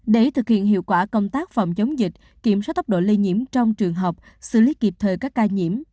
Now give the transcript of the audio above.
để thực hiện hiệu quả công tác phòng chống dịch kiểm soát tốc độ lây nhiễm trong trường hợp xử lý kịp thời các ca nhiễm